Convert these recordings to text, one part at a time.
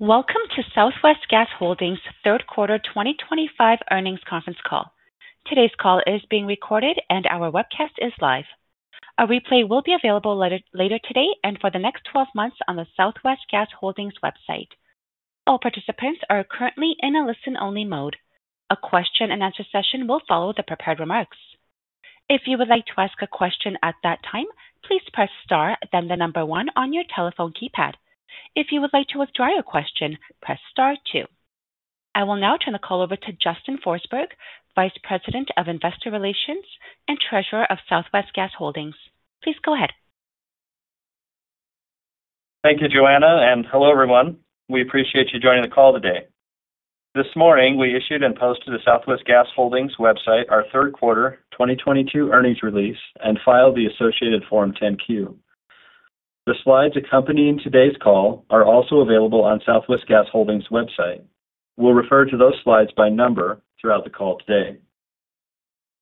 Welcome to Southwest Gas Holdings' third quarter 2025 earnings conference call. Today's call is being recorded, and our webcast is live. A replay will be available later today and for the next 12 months on the Southwest Gas Holdings website. All participants are currently in a listen-only mode. A question-and-answer session will follow the prepared remarks. If you would like to ask a question at that time, please press star, then the number one on your telephone keypad. If you would like to withdraw your question, press star two. I will now turn the call over to Justin Forsberg, Vice President of Investor Relations and Treasurer of Southwest Gas Holdings. Please go ahead. Thank you, Joanna, and hello everyone. We appreciate you joining the call today. This morning, we issued and posted the Southwest Gas Holdings website, our third quarter 2024 earnings release, and filed the associated Form 10-Q. The slides accompanying today's call are also available on Southwest Gas Holdings' website. We'll refer to those slides by number throughout the call today.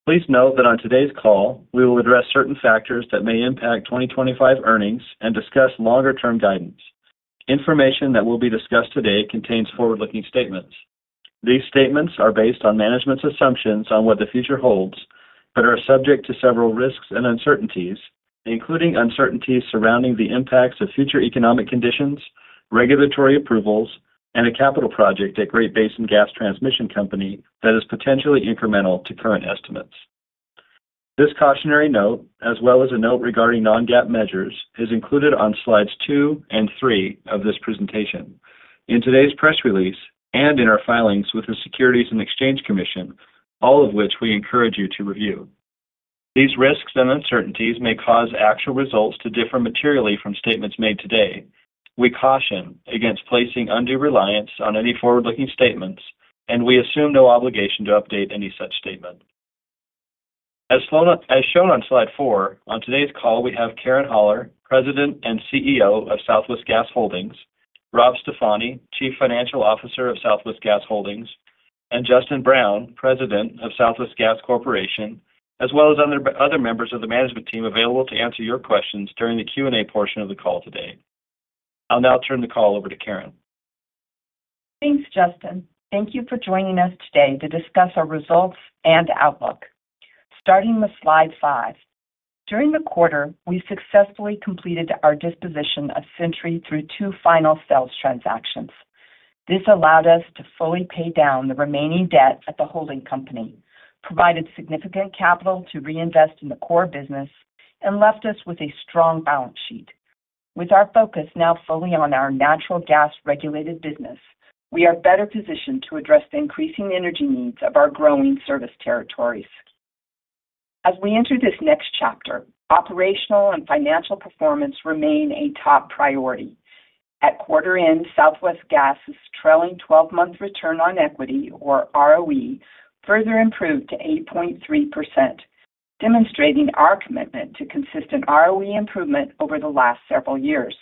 Please note that on today's call, we will address certain factors that may impact 2025 earnings and discuss longer-term guidance. Information that will be discussed today contains forward-looking statements. These statements are based on management's assumptions on what the future holds, but are subject to several risks and uncertainties, including uncertainties surrounding the impacts of future economic conditions, regulatory approvals, and a capital project at Great Basin Gas Transmission Company that is potentially incremental to current estimates. This cautionary note, as well as a note regarding non-GAAP measures, is included on slides two and three of this presentation, in today's press release, and in our filings with the Securities and Exchange Commission, all of which we encourage you to review. These risks and uncertainties may cause actual results to differ materially from statements made today. We caution against placing undue reliance on any forward-looking statements, and we assume no obligation to update any such statement. As shown on slide four, on today's call, we have Karen Haller, President and CEO of Southwest Gas Holdings; Rob Stefani, Chief Financial Officer of Southwest Gas Holdings; and Justin Brown, President of Southwest Gas Corporation, as well as other members of the management team available to answer your questions during the Q&A portion of the call today. I'll now turn the call over to Karen. Thanks, Justin. Thank you for joining us today to discuss our results and outlook. Starting with slide five, during the quarter, we successfully completed our disposition of Centuri through two final sales transactions. This allowed us to fully pay down the remaining debt at the holding company, provided significant capital to reinvest in the core business, and left us with a strong balance sheet. With our focus now fully on our natural gas-regulated business, we are better positioned to address the increasing energy needs of our growing service territories. As we enter this next chapter, operational and financial performance remain a top priority. At quarter-end, Southwest Gas' trailing 12-month return on equity, or ROE, further improved to 8.3%. Demonstrating our commitment to consistent ROE improvement over the last several years.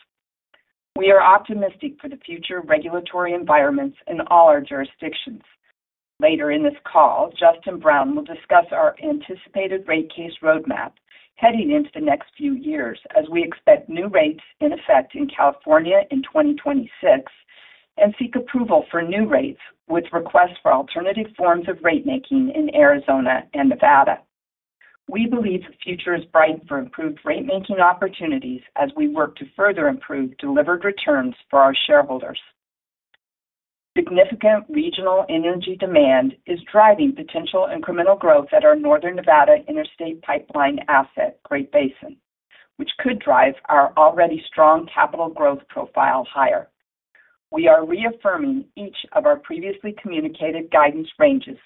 We are optimistic for the future regulatory environments in all our jurisdictions. Later in this call, Justin Brown will discuss our anticipated rate case roadmap heading into the next few years as we expect new rates in effect in California in 2026 and seek approval for new rates with requests for alternative forms of rate-making in Arizona and Nevada. We believe the future is bright for improved rate-making opportunities as we work to further improve delivered returns for our shareholders. Significant regional energy demand is driving potential incremental growth at our Northern Nevada interstate pipeline asset, Great Basin, which could drive our already strong capital growth profile higher. We are reaffirming each of our previously communicated guidance ranges,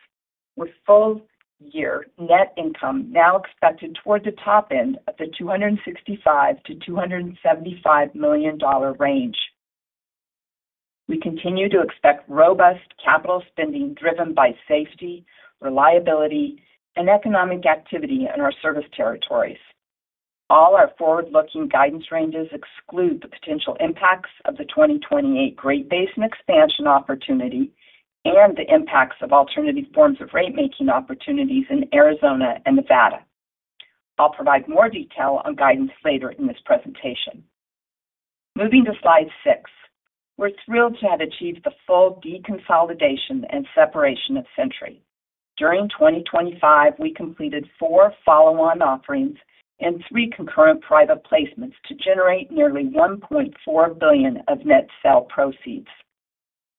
with full-year net income now expected toward the top end of the $265 million-$275 million range. We continue to expect robust capital spending driven by safety, reliability, and economic activity in our service territories. All our forward-looking guidance ranges exclude the potential impacts of the 2028 Great Basin expansion opportunity and the impacts of alternative forms of rate-making opportunities in Arizona and Nevada. I'll provide more detail on guidance later in this presentation. Moving to slide six, we're thrilled to have achieved the full deconsolidation and separation of Century. During 2025, we completed four follow-on offerings and three concurrent private placements to generate nearly $1.4 billion of net sale proceeds.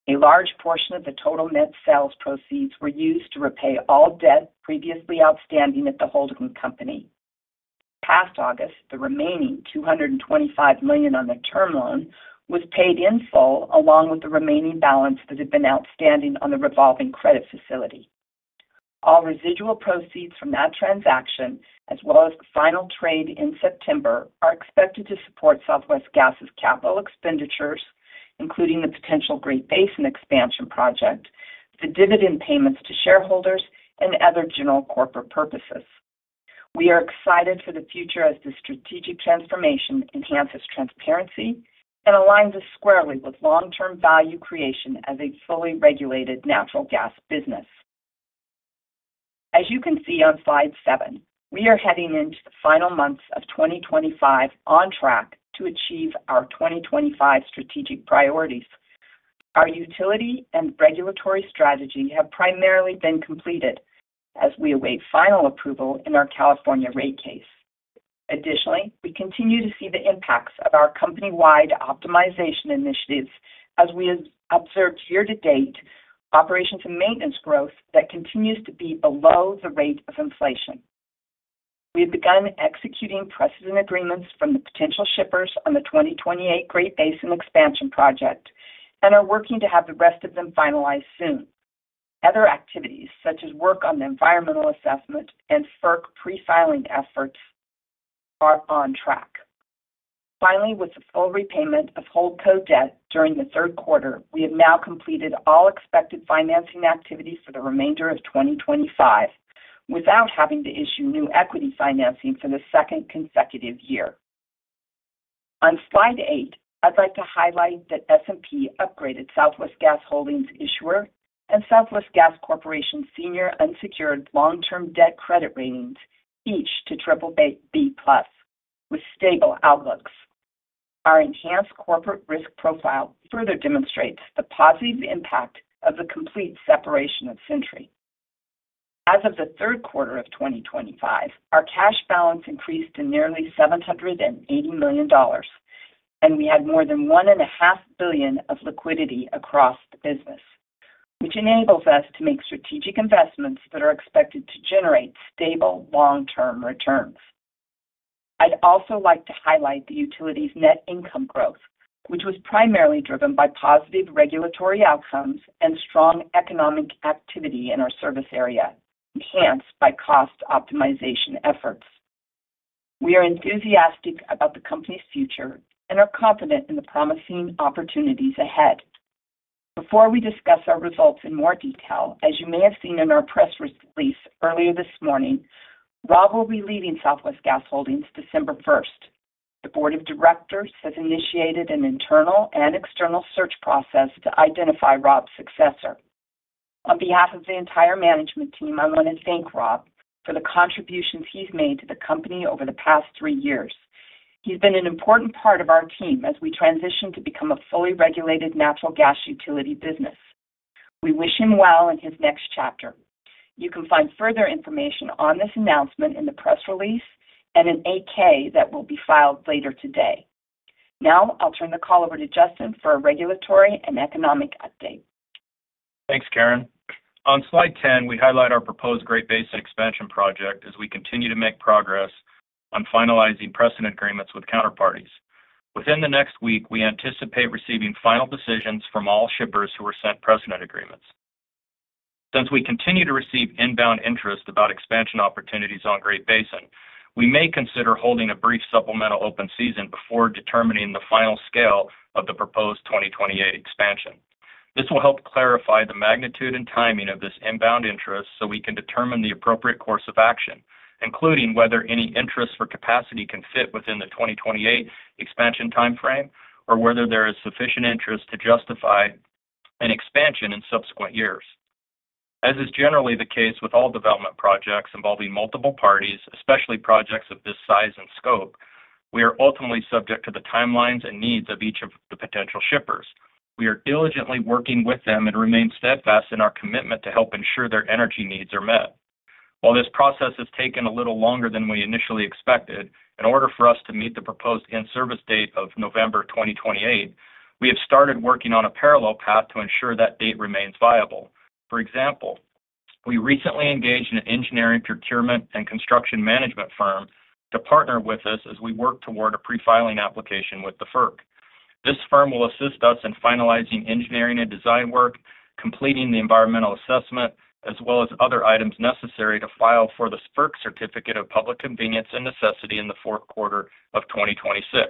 A large portion of the total net sales proceeds were used to repay all debt previously outstanding at the holding company. Past August, the remaining $225 million on the term loan was paid in full along with the remaining balance that had been outstanding on the revolving credit facility. All residual proceeds from that transaction, as well as the final trade in September, are expected to support Southwest Gas's capital expenditures, including the potential Great Basin expansion project, the dividend payments to shareholders, and other general corporate purposes. We are excited for the future as this strategic transformation enhances transparency and aligns us squarely with long-term value creation as a fully regulated natural gas business. As you can see on slide seven, we are heading into the final months of 2025 on track to achieve our 2025 strategic priorities. Our utility and regulatory strategy have primarily been completed as we await final approval in our California rate case. Additionally, we continue to see the impacts of our company-wide optimization initiatives as we have observed year-to-date operations and maintenance growth that continues to be below the rate of inflation. We have begun executing precedent agreements from the potential shippers on the 2028 Great Basin expansion project and are working to have the rest of them finalized soon. Other activities, such as work on the environmental assessment and FERC pre-filing efforts are on track. Finally, with the full repayment of hold code debt during the third quarter, we have now completed all expected financing activity for the remainder of 2025 without having to issue new equity financing for the second consecutive year. On slide eight, I'd like to highlight that S&P upgraded Southwest Gas Holdings' issuer and Southwest Gas Corporation's senior unsecured long-term debt credit ratings each to BBB+ with stable outlooks. Our enhanced corporate risk profile further demonstrates the positive impact of the complete separation of Century. As of the third quarter of 2025, our cash balance increased to nearly $780 million. And we had more than 1.5 billion of liquidity across the business. Which enables us to make strategic investments that are expected to generate stable long-term returns. I'd also like to highlight the utility's net income growth, which was primarily driven by positive regulatory outcomes and strong economic activity in our service area, enhanced by cost optimization efforts. We are enthusiastic about the company's future and are confident in the promising opportunities ahead. Before we discuss our results in more detail, as you may have seen in our press release earlier this morning, Rob will be leaving Southwest Gas Holdings December 1st. The board of directors has initiated an internal and external search process to identify Rob's successor. On behalf of the entire management team, I want to thank Rob for the contributions he's made to the company over the past three years. He's been an important part of our team as we transitioned to become a fully regulated natural gas utility business. We wish him well in his next chapter. You can find further information on this announcement in the press release and an AK that will be filed later today. Now, I'll turn the call over to Justin for a regulatory and economic update. Thanks, Karen. On slide 10, we highlight our proposed Great Basin expansion project as we continue to make progress on finalizing precedent agreements with counterparties. Within the next week, we anticipate receiving final decisions from all shippers who are sent precedent agreements. Since we continue to receive inbound interest about expansion opportunities on Great Basin, we may consider holding a brief supplemental open season before determining the final scale of the proposed 2028 expansion. This will help clarify the magnitude and timing of this inbound interest so we can determine the appropriate course of action, including whether any interest for capacity can fit within the 2028 expansion timeframe or whether there is sufficient interest to justify an expansion in subsequent years. As is generally the case with all development projects involving multiple parties, especially projects of this size and scope, we are ultimately subject to the timelines and needs of each of the potential shippers. We are diligently working with them and remain steadfast in our commitment to help ensure their energy needs are met. While this process has taken a little longer than we initially expected, in order for us to meet the proposed end service date of November 2028, we have started working on a parallel path to ensure that date remains viable. For example, we recently engaged an engineering procurement and construction management firm to partner with us as we work toward a pre-filing application with the FERC. This firm will assist us in finalizing engineering and design work, completing the environmental assessment, as well as other items necessary to file for the FERC Certificate of Public Convenience and Necessity in the fourth quarter of 2026.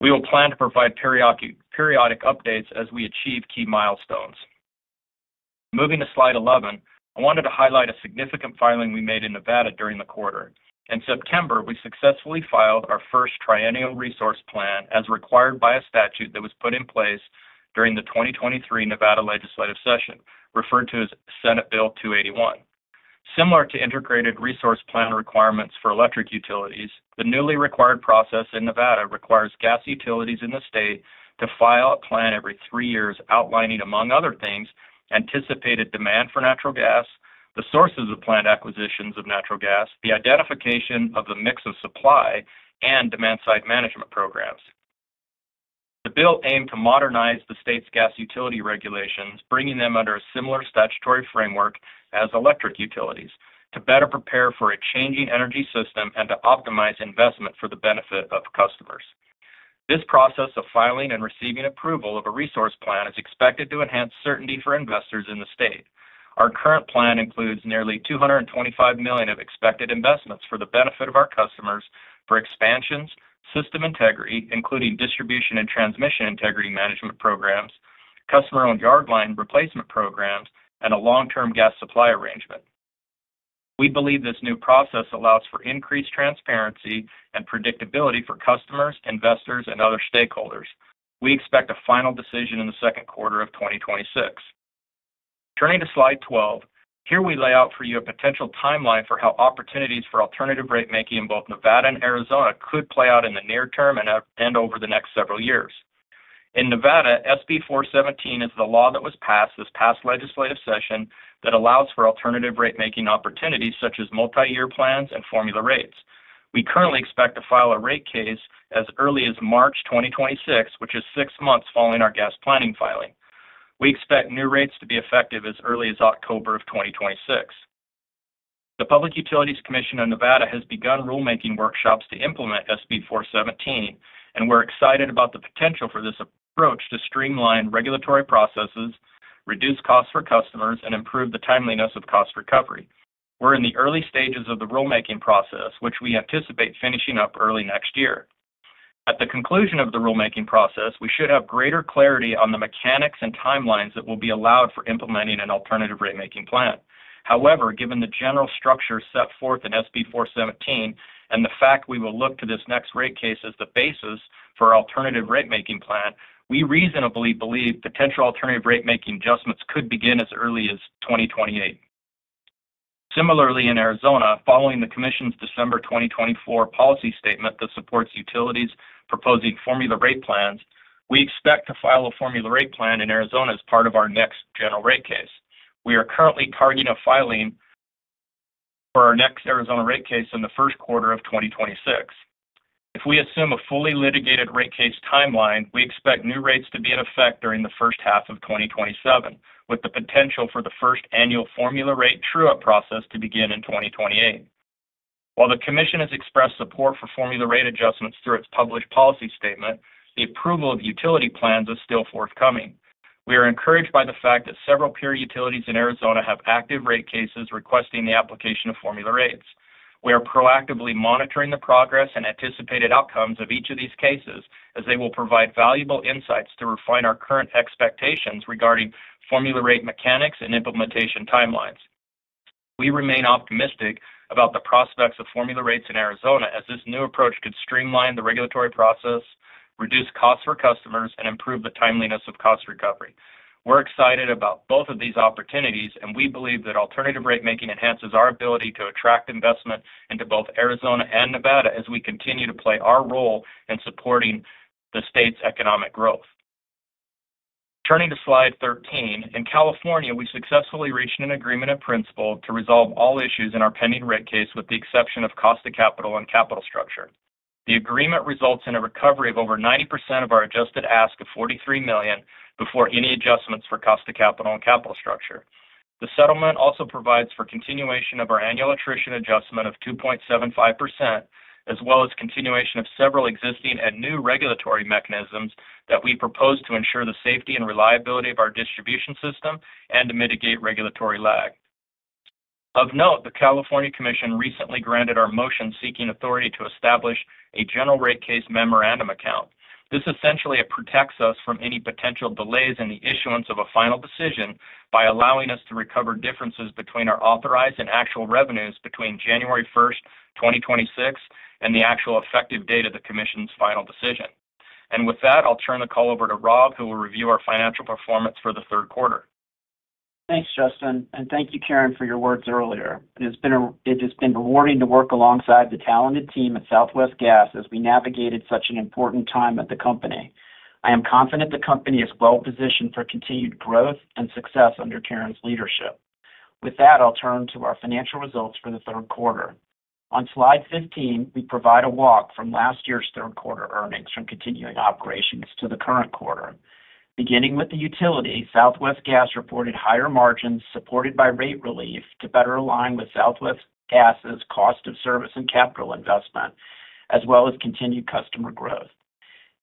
We will plan to provide periodic updates as we achieve key milestones. Moving to slide 11, I wanted to highlight a significant filing we made in Nevada during the quarter. In September, we successfully filed our first triennial resource plan as required by a statute that was put in place during the 2023 Nevada legislative session, referred to as Senate Bill 281. Similar to integrated resource plan requirements for electric utilities, the newly required process in Nevada requires gas utilities in the state to file a plan every three years outlining, among other things, anticipated demand for natural gas, the sources of planned acquisitions of natural gas, the identification of the mix of supply, and demand-side management programs. The bill aimed to modernize the state's gas utility regulations, bringing them under a similar statutory framework as electric utilities to better prepare for a changing energy system and to optimize investment for the benefit of customers. This process of filing and receiving approval of a resource plan is expected to enhance certainty for investors in the state. Our current plan includes nearly $225 million of expected investments for the benefit of our customers for expansions, system integrity, including distribution and transmission integrity management programs, customer-owned yard line replacement programs, and a long-term gas supply arrangement. We believe this new process allows for increased transparency and predictability for customers, investors, and other stakeholders. We expect a final decision in the second quarter of 2026. Turning to slide 12, here we lay out for you a potential timeline for how opportunities for alternative rate-making in both Nevada and Arizona could play out in the near-term and over the next several years. In Nevada, SB 417 is the law that was passed this past legislative session that allows for alternative rate-making opportunities such as multi-year plans and formula rates. We currently expect to file a rate case as early as March 2026, which is six months following our gas planning filing. We expect new rates to be effective as early as October of 2026. The Public Utilities Commission of Nevada has begun rulemaking workshops to implement SB 417, and we're excited about the potential for this approach to streamline regulatory processes, reduce costs for customers, and improve the timeliness of cost recovery. We're in the early stages of the rulemaking process, which we anticipate finishing up early next year. At the conclusion of the rulemaking process, we should have greater clarity on the mechanics and timelines that will be allowed for implementing an alternative rate-making plan. However, given the general structure set forth in SB 417 and the fact we will look to this next rate case as the basis for our alternative rate-making plan, we reasonably believe potential alternative rate-making adjustments could begin as early as 2028. Similarly, in Arizona, following the commission's December 2024 policy statement that supports utilities proposing formula rate plans, we expect to file a formula rate plan in Arizona as part of our next general rate case. We are currently targeting a filing for our next Arizona rate case in the first quarter of 2026. If we assume a fully litigated rate case timeline, we expect new rates to be in effect during the first half of 2027, with the potential for the first annual formula rate true-up process to begin in 2028. While the commission has expressed support for formula rate adjustments through its published policy statement, the approval of utility plans is still forthcoming. We are encouraged by the fact that several peer utilities in Arizona have active rate cases requesting the application of formula rates. We are proactively monitoring the progress and anticipated outcomes of each of these cases as they will provide valuable insights to refine our current expectations regarding formula rate mechanics and implementation timelines. We remain optimistic about the prospects of formula rates in Arizona as this new approach could streamline the regulatory process, reduce costs for customers, and improve the timeliness of cost recovery. We're excited about both of these opportunities, and we believe that alternative rate-making enhances our ability to attract investment into both Arizona and Nevada as we continue to play our role in supporting the state's economic growth. Turning to slide 13, in California, we successfully reached an agreement of principle to resolve all issues in our pending rate case with the exception of cost of capital and capital structure. The agreement results in a recovery of over 90% of our adjusted ask of $43 million before any adjustments for cost of capital and capital structure. The settlement also provides for continuation of our annual attrition adjustment of 2.75%, as well as continuation of several existing and new regulatory mechanisms that we propose to ensure the safety and reliability of our distribution system and to mitigate regulatory lag. Of note, the California Commission recently granted our motion seeking authority to establish a general rate case memorandum account. This essentially protects us from any potential delays in the issuance of a final decision by allowing us to recover differences between our authorized and actual revenues between January 1st, 2026, and the actual effective date of the commission's final decision. And with that, I'll turn the call over to Rob, who will review our financial performance for the third quarter. Thanks, Justin. And thank you, Karen, for your words earlier. It has been rewarding to work alongside the talented team at Southwest Gas as we navigated such an important time at the company. I am confident the company is well positioned for continued growth and success under Karen's leadership. With that, I'll turn to our financial results for the third quarter. On slide 15, we provide a walk from last year's third quarter earnings from continuing operations to the current quarter. Beginning with the utility, Southwest Gas reported higher margins supported by rate relief to better align with Southwest Gas's cost of service and capital investment, as well as continued customer growth.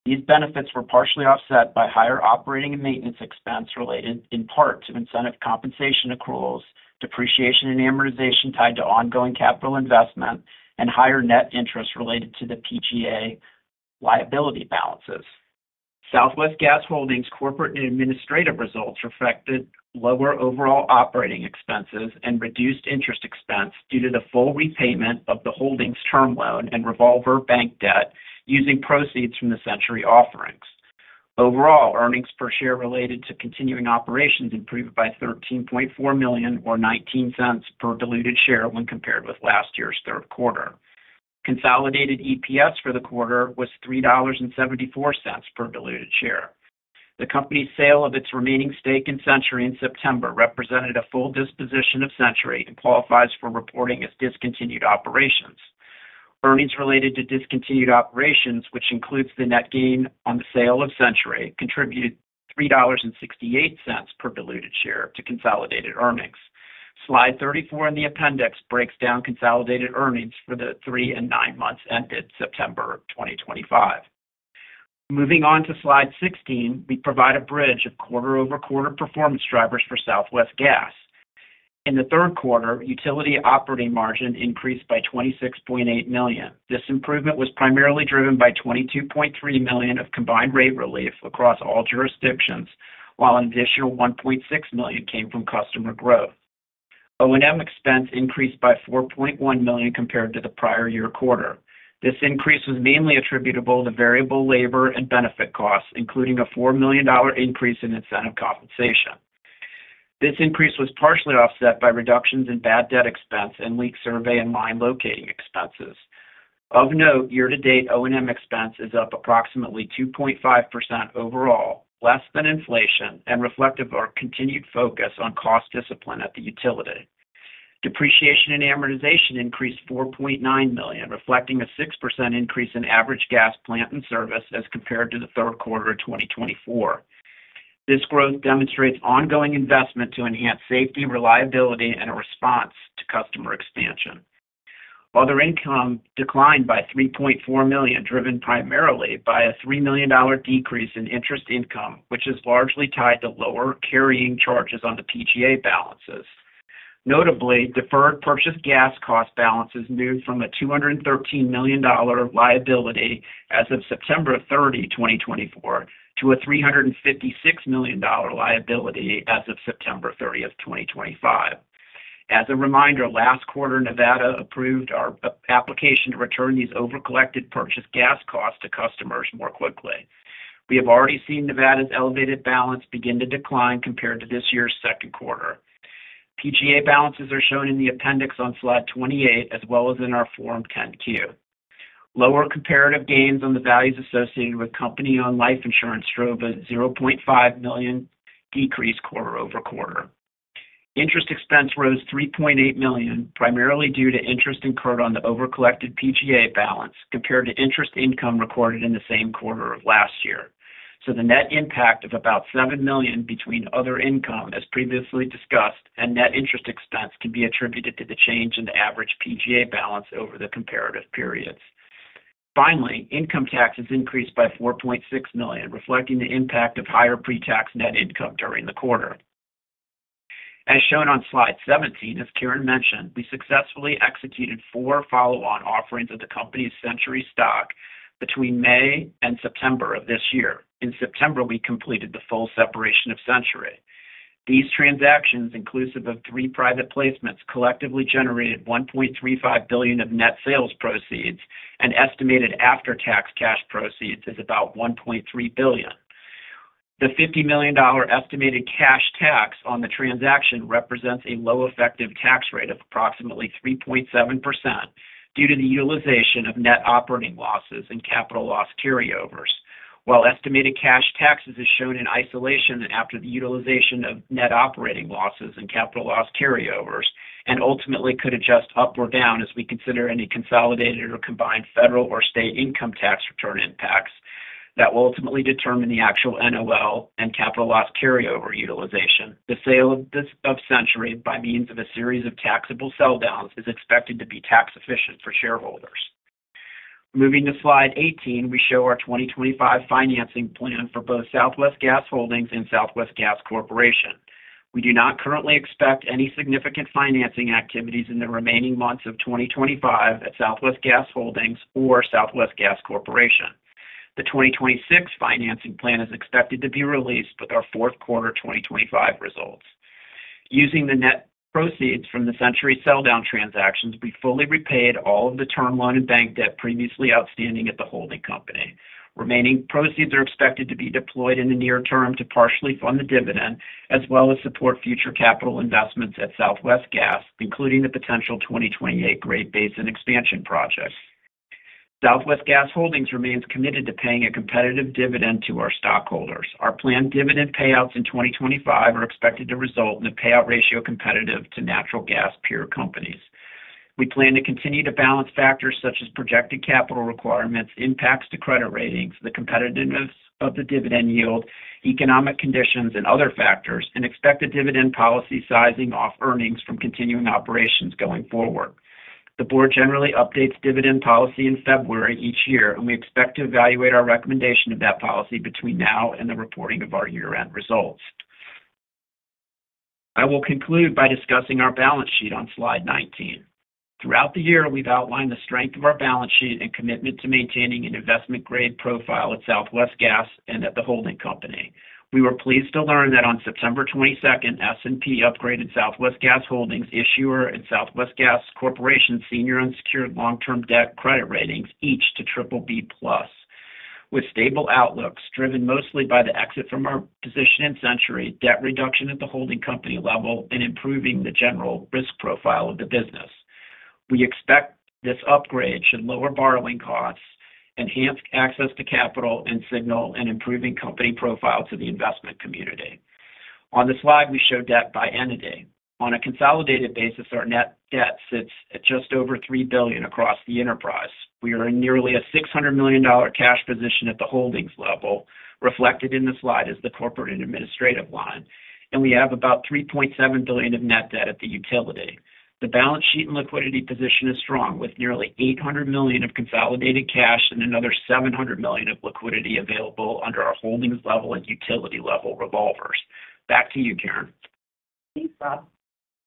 These benefits were partially offset by higher operating and maintenance expense related in part to incentive compensation accruals, depreciation and amortization tied to ongoing capital investment, and higher net interest related to the PGA liability balances. Southwest Gas Holdings' corporate and administrative results reflected lower overall operating expenses and reduced interest expense due to the full repayment of the holdings' term loan and revolver bank debt using proceeds from the Century offerings. Overall, earnings per share related to continuing operations improved by $13.4 million, or $0.19 per diluted share when compared with last year's third quarter. Consolidated EPS for the quarter was $3.74 per diluted share. The company's sale of its remaining stake in Century in September represented a full disposition of Century and qualifies for reporting as discontinued operations. Earnings related to discontinued operations, which includes the net gain on the sale of Century, contributed $3.68 per diluted share to consolidated earnings. Slide 34 in the appendix breaks down consolidated earnings for the three and nine months ended September 2025. Moving on to slide 16, we provide a bridge of quarter-over-quarter performance drivers for Southwest Gas. In the third quarter, utility operating margin increased by $26.8 million. This improvement was primarily driven by $22.3 million of combined rate relief across all jurisdictions, while an additional $1.6 million came from customer growth. O&M expense increased by $4.1 million compared to the prior year quarter. This increase was mainly attributable to variable labor and benefit costs, including a $4 million increase in incentive compensation. This increase was partially offset by reductions in bad debt expense and leak survey and line locating expenses. Of note, year-to-date O&M expense is up approximately 2.5% overall, less than inflation, and reflective of our continued focus on cost discipline at the utility. Depreciation and amortization increased $4.9 million, reflecting a 6% increase in average gas plant and service as compared to the third quarter of 2024. This growth demonstrates ongoing investment to enhance safety, reliability, and a response to customer expansion. Other income declined by $3.4 million, driven primarily by a $3 million decrease in interest income, which is largely tied to lower carrying charges on the PGA balances. Notably, deferred purchased gas cost balances moved from a $213 million liability as of September 30, 2024, to a $356 million liability as of September 30th, 2025. As a reminder, last quarter, Nevada approved our application to return these over-collected purchased gas costs to customers more quickly. We have already seen Nevada's elevated balance begin to decline compared to this year's second quarter. PGA balances are shown in the appendix on slide 28, as well as in our form 10-Q. Lower comparative gains on the values associated with company-owned life insurance drove a $0.5 million decrease quarter-over-quarter. Interest expense rose $3.8 million, primarily due to interest incurred on the over-collected PGA balance compared to interest income recorded in the same quarter of last year. The net impact of about $7 million between other income, as previously discussed, and net interest expense can be attributed to the change in the average PGA balance over the comparative periods. Finally, income taxes increased by $4.6 million, reflecting the impact of higher pre-tax net income during the quarter. As shown on slide 17, as Karen mentioned, we successfully executed four follow-on offerings of the company's Centuri stock between May and September of this year. In September, we completed the full separation of Centuri. These transactions, inclusive of three private placements, collectively generated $1.35 billion of net sales proceeds and estimated after-tax cash proceeds as about $1.3 billion. The $50 million estimated cash tax on the transaction represents a low-effective tax rate of approximately 3.7% due to the utilization of net operating losses and capital loss carryovers, while estimated cash taxes are shown in isolation after the utilization of net operating losses and capital loss carryovers and ultimately could adjust up or down as we consider any consolidated or combined federal or state income tax return impacts that will ultimately determine the actual NOL and capital loss carryover utilization. The sale of Century by means of a series of taxable sell-downs is expected to be tax-efficient for shareholders. Moving to slide 18, we show our 2025 financing plan for both Southwest Gas Holdings and Southwest Gas Corporation. We do not currently expect any significant financing activities in the remaining months of 2025 at Southwest Gas Holdings or Southwest Gas Corporation. The 2026 financing plan is expected to be released with our fourth quarter 2025 results. Using the net proceeds from the Century sell-down transactions, we fully repaid all of the term loan and bank debt previously outstanding at the holding company. Remaining proceeds are expected to be deployed in the near-term to partially fund the dividend, as well as support future capital investments at Southwest Gas, including the potential 2028 Great Basin expansion project. Southwest Gas Holdings remains committed to paying a competitive dividend to our stockholders. Our planned dividend payouts in 2025 are expected to result in a payout ratio competitive to natural gas peer companies. We plan to continue to balance factors such as projected capital requirements, impacts to credit ratings, the competitiveness of the dividend yield, economic conditions, and other factors, and expected dividend policy sizing off earnings from continuing operations going forward. The board generally updates dividend policy in February each year, and we expect to evaluate our recommendation of that policy between now and the reporting of our year-end results. I will conclude by discussing our balance sheet on slide 19. Throughout the year, we've outlined the strength of our balance sheet and commitment to maintaining an investment-grade profile at Southwest Gas and at the holding company. We were pleased to learn that on September 22nd, S&P upgraded Southwest Gas Holdings' issuer and Southwest Gas Corporation's senior unsecured long-term debt credit ratings each to BBB+, with stable outlooks driven mostly by the exit from our position in Century, debt reduction at the holding company level, and improving the general risk profile of the business. We expect this upgrade should lower borrowing costs, enhance access to capital, and signal an improving company profile to the investment community. On the slide, we show debt by entity. On a consolidated basis, our net debt sits at just over $3 billion across the enterprise. We are in nearly a $600 million cash position at the holdings level, reflected in the slide as the corporate and administrative line. And we have about $3.7 billion of net debt at the utility. The balance sheet and liquidity position is strong, with nearly $800 million of consolidated cash and another $700 million of liquidity available under our holdings level and utility level revolvers. Back to you, Karen. Thanks, Bob.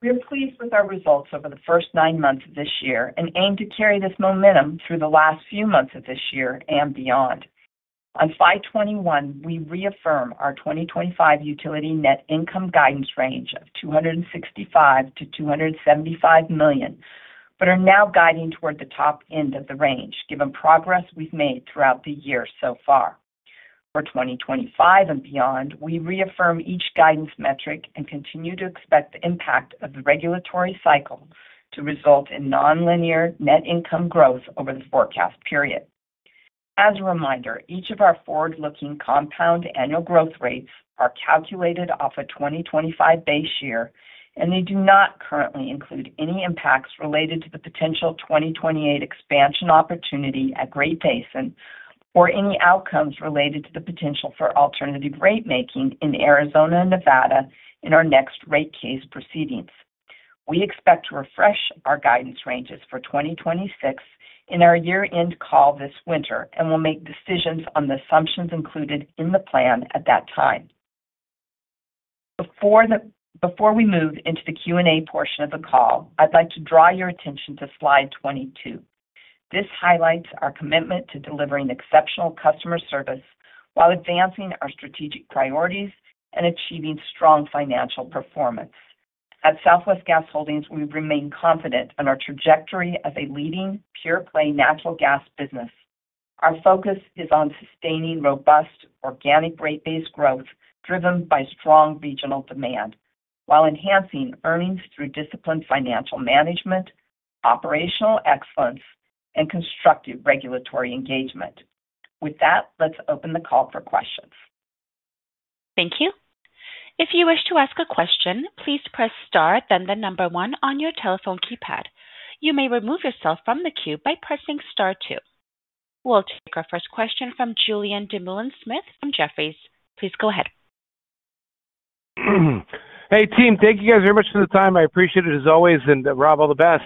We are pleased with our results over the first nine months of this year and aim to carry this momentum through the last few months of this year and beyond. On slide 21, we reaffirm our 2025 utility net income guidance range of $265 million-$275 million, but are now guiding toward the top end of the range, given progress we've made throughout the year so far. For 2025 and beyond, we reaffirm each guidance metric and continue to expect the impact of the regulatory cycle to result in non-linear net income growth over the forecast period. As a reminder, each of our forward-looking compound annual growth rates are calculated off a 2025 base year, and they do not currently include any impacts related to the potential 2028 expansion opportunity at Great Basin or any outcomes related to the potential for alternative rate-making in Arizona and Nevada in our next rate case proceedings. We expect to refresh our guidance ranges for 2026 in our year-end call this winter and will make decisions on the assumptions included in the plan at that time. Before we move into the Q&A portion of the call, I'd like to draw your attention to slide 22. This highlights our commitment to delivering exceptional customer service while advancing our strategic priorities and achieving strong financial performance. At Southwest Gas Holdings, we remain confident in our trajectory as a leading pure-play natural gas business. Our focus is on sustaining robust organic rate-based growth driven by strong regional demand, while enhancing earnings through disciplined financial management, operational excellence, and constructive regulatory engagement. With that, let's open the call for questions. Thank you. If you wish to ask a question, please press star, then the number one on your telephone keypad. You may remove yourself from the queue by pressing star two. We'll take our first question from Julian DeMullen-Smith from Jefferies. Please go ahead. Hey, team. Thank you guys very much for the time. I appreciate it as always, and Rob, all the best.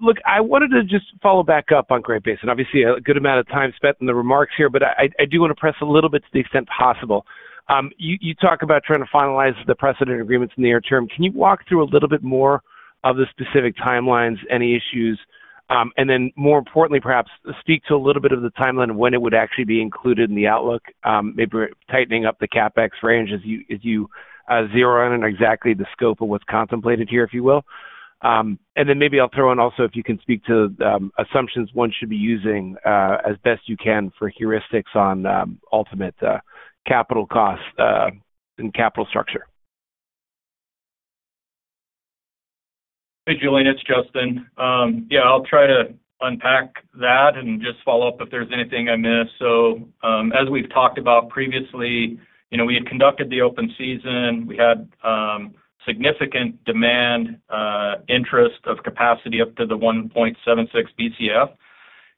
Look, I wanted to just follow back up on Great Basin. Obviously, a good amount of time spent in the remarks here, but I do want to press a little bit to the extent possible. You talk about trying to finalize the precedent agreements in the near-term. Can you walk through a little bit more of the specific timelines, any issues, and then, more importantly, perhaps speak to a little bit of the timeline of when it would actually be included in the outlook, maybe tightening up the CapEx range as you zero in on exactly the scope of what's contemplated here, if you will? And then maybe I'll throw in also if you can speak to assumptions one should be using as best you can for heuristics on ultimate capital cost and capital structure. Hey, Julian, it's Justin. Yeah, I'll try to unpack that and just follow up if there's anything I missed. So as we've talked about previously, we had conducted the open season. We had significant demand. Interest of capacity up to the 1.76 BCF.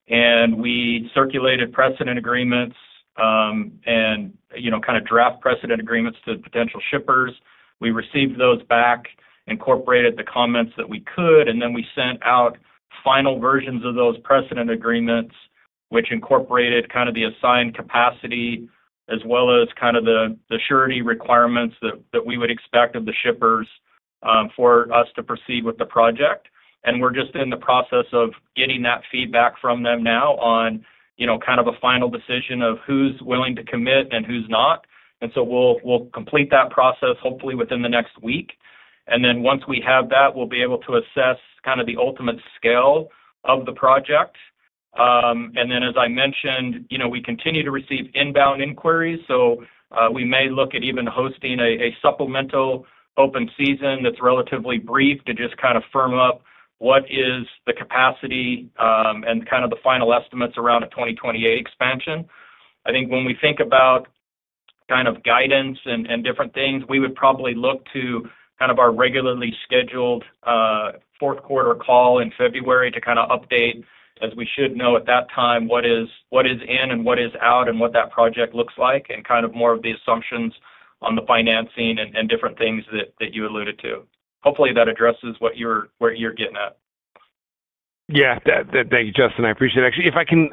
And we circulated precedent agreements. And kind of draft precedent agreements to potential shippers. We received those back, incorporated the comments that we could, and then we sent out final versions of those precedent agreements, which incorporated kind of the assigned capacity as well as kind of the surety requirements that we would expect of the shippers for us to proceed with the project. And we're just in the process of getting that feedback from them now on kind of a final decision of who's willing to commit and who's not. And so we'll complete that process hopefully within the next week. And then once we have that, we'll be able to assess kind of the ultimate scale of the project. And then, as I mentioned, we continue to receive inbound inquiries. So we may look at even hosting a supplemental open season that's relatively brief to just kind of firm up what is the capacity and kind of the final estimates around a 2028 expansion. I think when we think about kind of guidance and different things, we would probably look to kind of our regularly scheduled. Fourth quarter call in February to kind of update, as we should know at that time, what is in and what is out and what that project looks like and kind of more of the assumptions on the financing and different things that you alluded to. Hopefully, that addresses what you're getting at. Yeah. Thank you, Justin. I appreciate it. Actually, if I can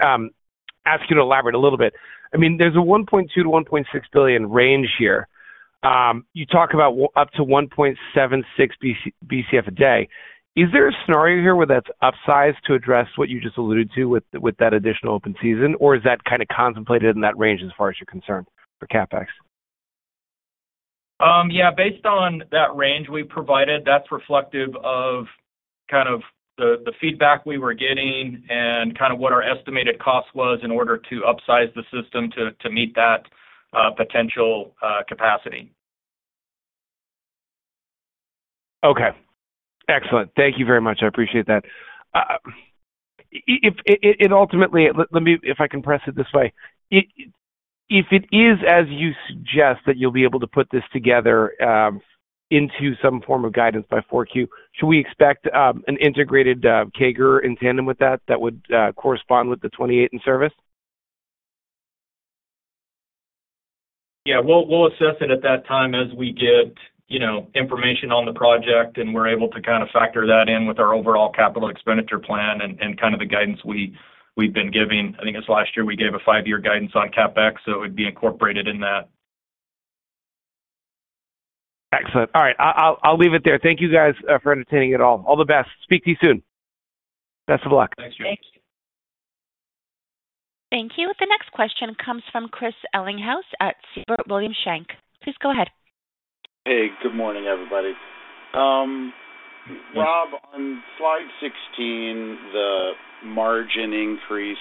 ask you to elaborate a little bit. I mean, there's a 1.2 billion-1.6 billion range here. You talk about up to 1.76 BCF a day. Is there a scenario here where that's upsized to address what you just alluded to with that additional open season, or is that kind of contemplated in that range as far as you're concerned for CapEx? Yeah. Based on that range we provided, that's reflective of kind of the feedback we were getting and kind of what our estimated cost was in order to upsize the system to meet that. Potential capacity. Okay. Excellent. Thank you very much. I appreciate that. Ultimately, if I can press it this way. If it is as you suggest that you'll be able to put this together. Into some form of guidance by 4Q, should we expect an integrated Kager in tandem with that that would correspond with the 2028 in service? Yeah. We'll assess it at that time as we get. Information on the project, and we're able to kind of factor that in with our overall capital expenditure plan and kind of the guidance we've been giving. I think it's last year we gave a five-year guidance on CapEx, so it would be incorporated in that. Excellent. All right. I'll leave it there. Thank you guys for entertaining it all. All the best. Speak to you soon. Best of luck. Thanks. Thank you. The next question comes from Chris Ellinghouse at Seabrook William Shank. Please go ahead. Hey, good morning, everybody. Rob, on slide 16, the margin increase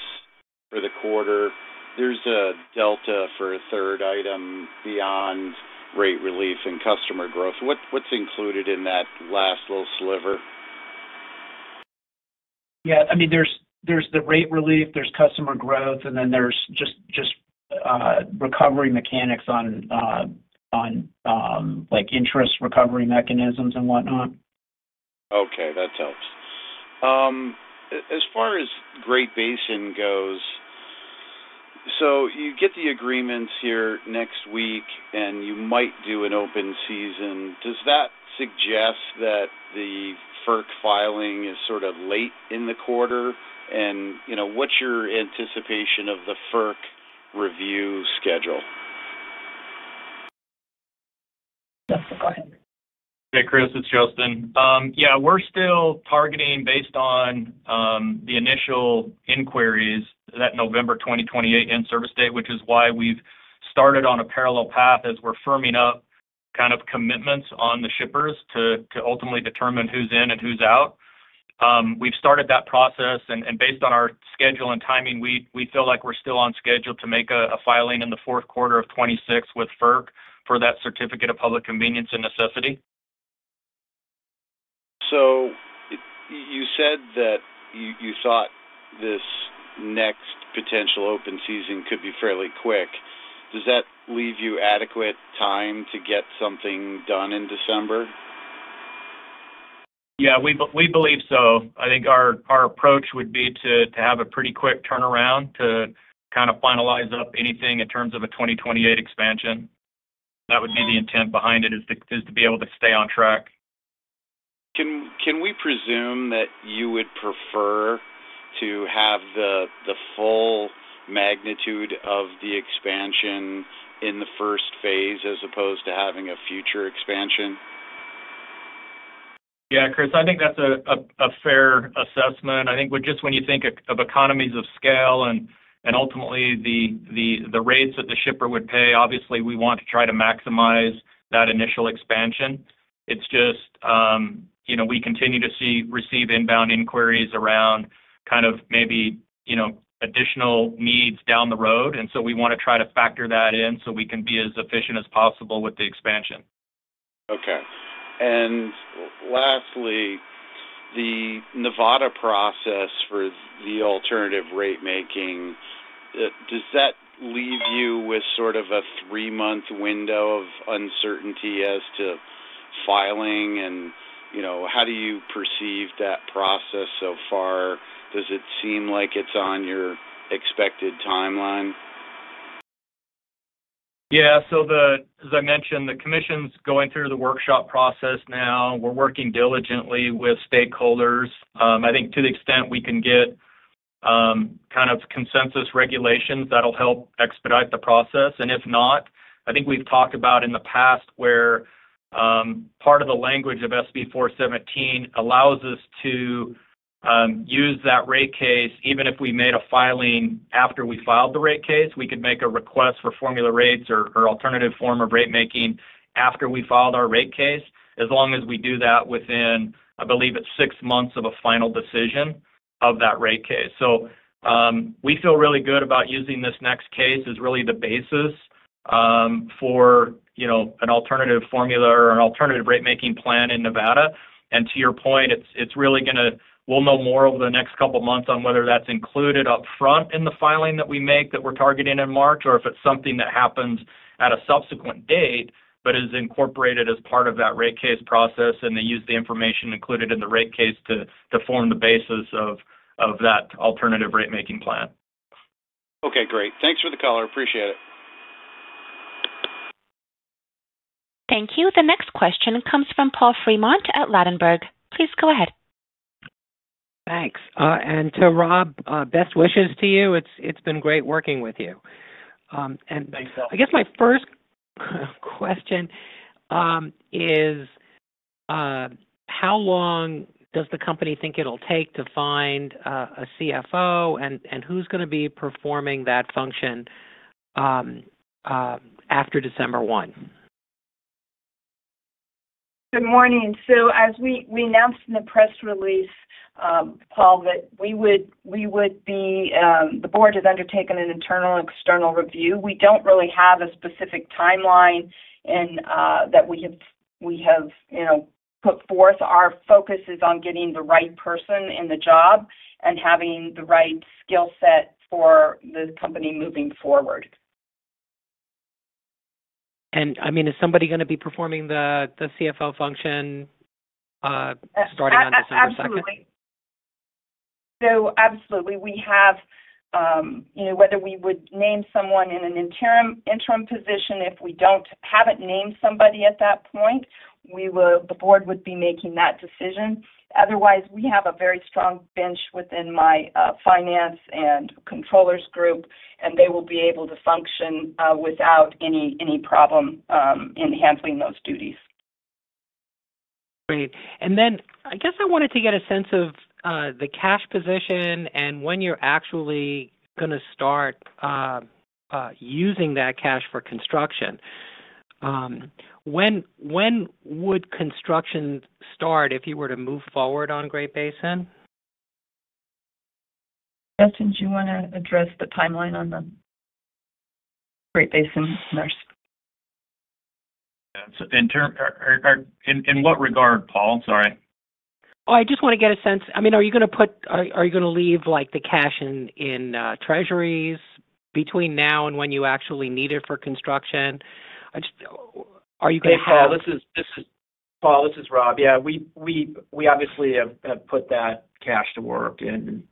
for the quarter, there's a delta for a third item beyond rate relief and customer growth. What's included in that last little sliver? Yeah. I mean, there's the rate relief, there's customer growth, and then there's just. Recovery mechanics on. Interest recovery mechanisms and whatnot. Okay. That helps. As far as Great Basin goes. So you get the agreements here next week, and you might do an open season. Does that suggest that the FERC filing is sort of late in the quarter? And what's your anticipation of the FERC review schedule? Justin, go ahead. Hey, Chris. It's Justin. Yeah. We're still targeting based on. The initial inquiries that November 2028 in-service date, which is why we've started on a parallel path as we're firming up kind of commitments on the shippers to ultimately determine who's in and who's out. We've started that process, and based on our schedule and timing, we feel like we're still on schedule to make a filing in the fourth quarter of 2026 with FERC for that certificate of public convenience and necessity. So. You said that you thought this next potential open season could be fairly quick. Does that leave you adequate time to get something done in December? Yeah. We believe so. I think our approach would be to have a pretty quick turnaround to kind of finalize up anything in terms of a 2028 expansion. That would be the intent behind it, is to be able to stay on track. Can we presume that you would prefer to have the full magnitude of the expansion in the first phase as opposed to having a future expansion? Yeah, Chris, I think that's a fair assessment. I think just when you think of economies of scale and ultimately the. Rates that the shipper would pay, obviously, we want to try to maximize that initial expansion. It's just. We continue to receive inbound inquiries around kind of maybe. Additional needs down the road. And so we want to try to factor that in so we can be as efficient as possible with the expansion. Okay. And. Lastly. The Nevada process for the alternative rate-making. Does that leave you with sort of a three-month window of uncertainty as to. Filing? And how do you perceive that process so far? Does it seem like it's on your expected timeline? Yeah. So as I mentioned, the commission's going through the workshop process now. We're working diligently with stakeholders. I think to the extent we can get. Kind of consensus regulations that'll help expedite the process. And if not, I think we've talked about in the past where. Part of the language of SB 417 allows us to. Use that rate case. Even if we made a filing after we filed the rate case, we could make a request for formula rates or alternative form of rate-making after we filed our rate case, as long as we do that within, I believe, it's six months of a final decision of that rate case. So we feel really good about using this next case as really the basis. For an alternative formula or an alternative rate-making plan in Nevada. And to your point, it's really going to—we'll know more over the next couple of months on whether that's included upfront in the filing that we make that we're targeting in March or if it's something that happens at a subsequent date but is incorporated as part of that rate case process and they use the information included in the rate case to form the basis of that alternative rate-making plan. Okay. Great. Thanks for the call. I appreciate it. Thank you. The next question comes from Paul Fremont at Lattenberg. Please go ahead. Thanks. And to Rob, best wishes to you. It's been great working with you. Thanks, Paul. And I guess my first. Question is, how long does the company think it'll take to find a CFO, and who's going to be performing that function after December 1? Good morning. So as we announced in the press release, Paul, that we would be—the board has undertaken an internal and external review. We don't really have a specific timeline that we have. Put forth. Our focus is on getting the right person in the job and having the right skill set for the company moving forward. And I mean, is somebody going to be performing the CFO function. Starting on December 2nd? Absolutely. So absolutely. We have. Whether we would name someone in an interim position. If we haven't named somebody at that point. The board would be making that decision. Otherwise, we have a very strong bench within my finance and controllers group, and they will be able to function without any problem. In handling those duties. Great. And then I guess I wanted to get a sense of the cash position and when you're actually going to start. Using that cash for construction. When would construction start if you were to move forward on Great Basin? Justin, do you want to address the timeline on the. Great Basin nurse? In what regard, Paul? Sorry. Oh, I just want to get a sense. I mean, are you going to put—are you going to leave the cash in treasuries between now and when you actually need it for construction? Are you going to call? Hey, Paul. This is Rob. Yeah. We obviously have put that cash to work in.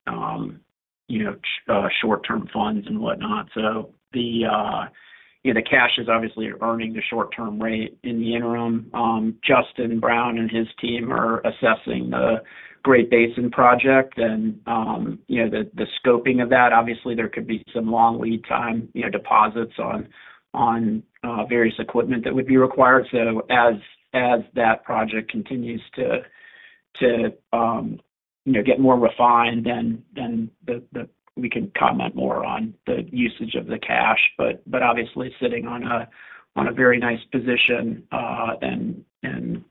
Short-term funds and whatnot. So. The. Cash is obviously earning the short-term rate in the interim. Justin Brown and his team are assessing the Great Basin project and. The scoping of that. Obviously, there could be some long lead time deposits on various equipment that would be required. So as that project continues to. Get more refined, then. We can comment more on the usage of the cash. But obviously, sitting on a very nice position. And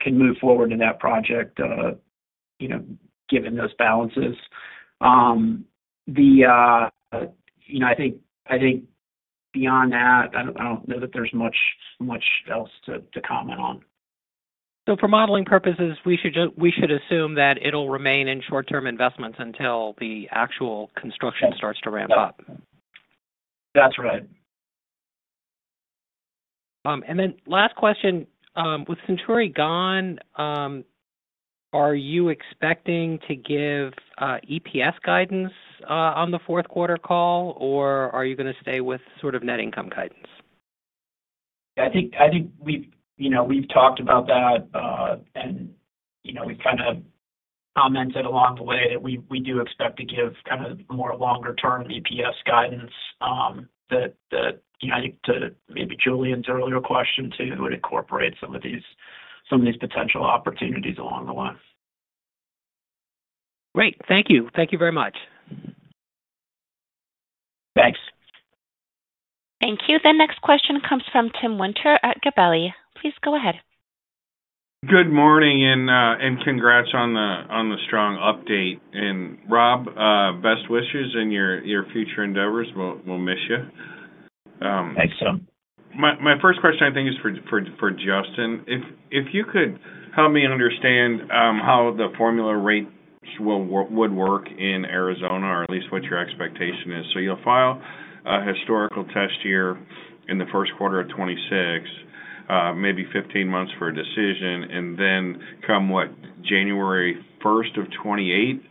can move forward in that project. Given those balances. I think beyond that, I don't know that there's much else to comment on. So for modeling purposes, we should assume that it'll remain in short-term investments until the actual construction starts to ramp up. That's right. And then last question. With Centuri gone, are you expecting to give EPS guidance on the fourth quarter call, or are you going to stay with sort of net income guidance? Yeah. I think we've talked about that. And we've kind of commented along the way that we do expect to give kind of more longer-term EPS guidance. That I think to maybe Julian's earlier question too, would incorporate some of these potential opportunities along the line. Great. Thank you. Thank you very much. Thanks. Thank you. The next question comes from Tim Winter at Gabelli. Please go ahead. Good morning and congrats on the strong update. And Rob, best wishes in your future endeavors. We'll miss you. Thanks, Tim. My first question, I think, is for Justin. If you could help me understand how the formula rate would work in Arizona, or at least what your expectation is. So you'll file a historical test year in the first quarter of 2026. Maybe 15 months for a decision. And then come what, January 1st of 2028,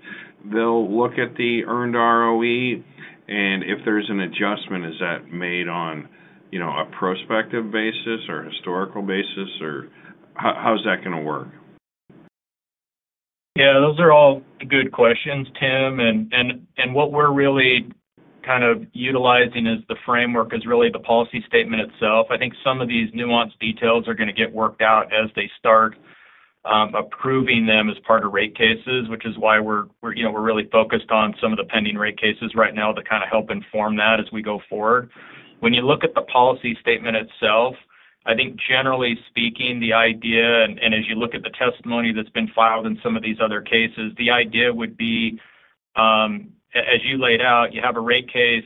they'll look at the earned ROE. And if there's an adjustment, is that made on a prospective basis or historical basis, or how's that going to work? Yeah. Those are all good questions, Tim. And what we're really kind of utilizing as the framework is really the policy statement itself. I think some of these nuanced details are going to get worked out as they start approving them as part of rate cases, which is why we're really focused on some of the pending rate cases right now to kind of help inform that as we go forward. When you look at the policy statement itself, I think generally speaking, the idea—and as you look at the testimony that's been filed in some of these other cases—the idea would be. As you laid out, you have a rate case.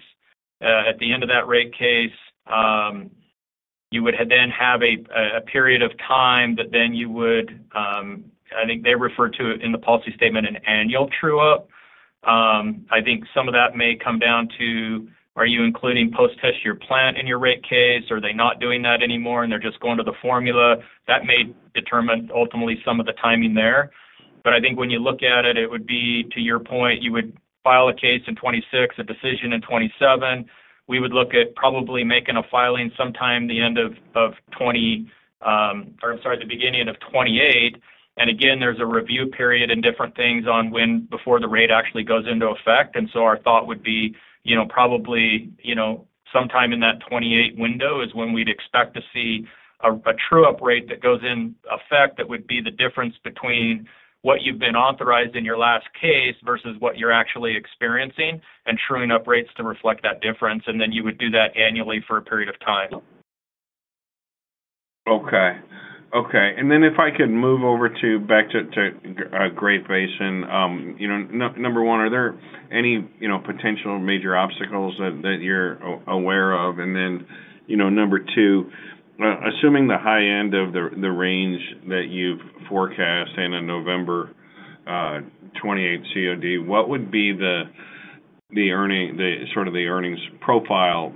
At the end of that rate case. You would then have a period of time that then you would— I think they refer to it in the policy statement—an annual true-up. I think some of that may come down to, are you including post-test year plant in your rate case? Are they not doing that anymore and they're just going to the formula? That may determine ultimately some of the timing there. But I think when you look at it, it would be, to your point, you would file a case in 2026, a decision in 2026. We would look at probably making a filing sometime the end of 20— Or I'm sorry, the beginning of 2028. And again, there's a review period and different things on when before the rate actually goes into effect. And so our thought would be probably. Sometime in that 2028 window is when we'd expect to see a true-up rate that goes into effect that would be the difference between what you've been authorized in your last case versus what you're actually experiencing and truing up rates to reflect that difference. And then you would do that annually for a period of time. Okay. Okay. And then if I could move back. To Great Basin. Number one, are there any potential major obstacles that you're aware of? And then number two. Assuming the high end of the range that you've forecast in a November. 2028 COD, what would be the. Sort of the earnings profile.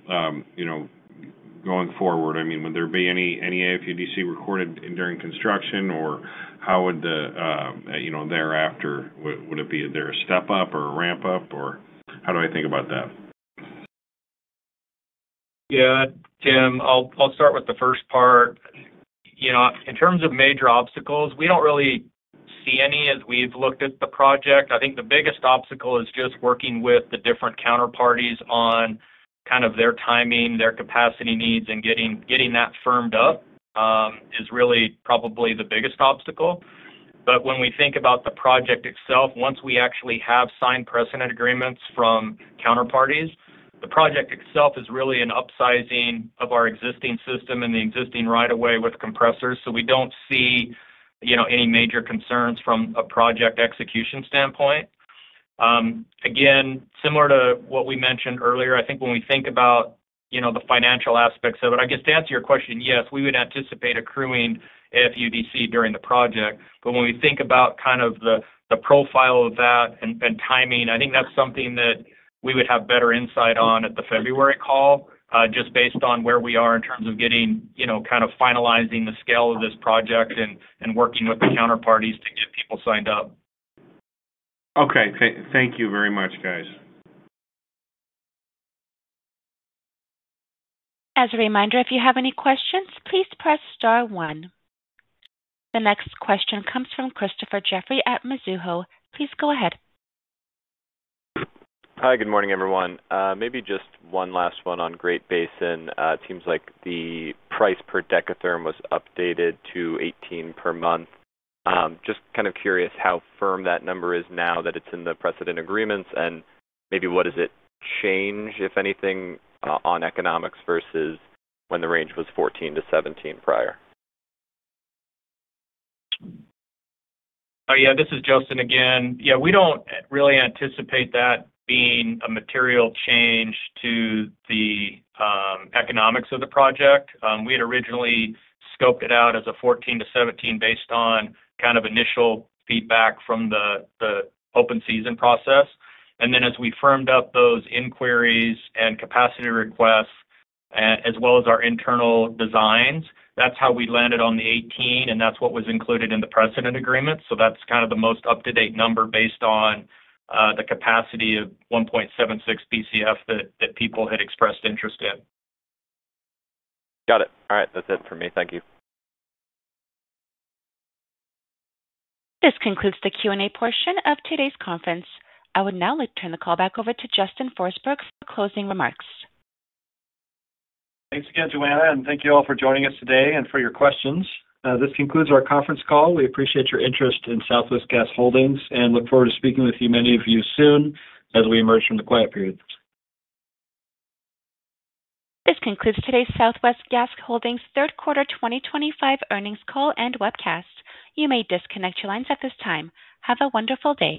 Going forward? I mean, would there be any AFUDC recorded during construction, or how would the— Thereafter, would it be there a step-up or a ramp-up, or how do I think about that? Yeah. Tim, I'll start with the first part. In terms of major obstacles, we don't really see any as we've looked at the project. I think the biggest obstacle is just working with the different counterparties on kind of their timing, their capacity needs, and getting that firmed up. Is really probably the biggest obstacle. But when we think about the project itself, once we actually have signed precedent agreements from counterparties, the project itself is really an upsizing of our existing system and the existing right-of-way with compressors. So we don't see. Any major concerns from a project execution standpoint. Again, similar to what we mentioned earlier, I think when we think about. The financial aspects of it, I guess to answer your question, yes, we would anticipate accruing AFUDC during the project. But when we think about kind of the profile of that and timing, I think that's something that we would have better insight on at the February call, just based on where we are in terms of getting kind of finalizing the scale of this project and working with the counterparties to get people signed up. Okay. Thank you very much, guys. As a reminder, if you have any questions, please press star one. The next question comes from Christopher Jeffrey at Mizuho. Please go ahead. Hi. Good morning, everyone. Maybe just one last one on Great Basin. It seems like the price per decatherm was updated to 18 per month. Just kind of curious how firm that number is now that it's in the precedent agreements. And maybe what does it change, if anything, on economics versus when the range was 14 to 17 prior? Oh, yeah. This is Justin again. Yeah. We don't really anticipate that being a material change to the. Economics of the project. We had originally scoped it out as a 14-17 based on kind of initial feedback from the. Open season process. And then as we firmed up those inquiries and capacity requests, as well as our internal designs, that's how we landed on the 18. And that's what was included in the precedent agreement. So that's kind of the most up-to-date number based on. The capacity of 1.76 BCF that people had expressed interest in. Got it. All right. That's it for me. Thank you. This concludes the Q&A portion of today's conference. I would now like to turn the call back over to Justin Forsberg for closing remarks. Thanks again, Joanna. And thank you all for joining us today and for your questions. This concludes our conference call. We appreciate your interest in Southwest Gas Holdings and look forward to speaking with many of you soon as we emerge from the quiet period. This concludes today's Southwest Gas Holdings third quarter 2025 earnings call and webcast. You may disconnect your lines at this time. Have a wonderful day.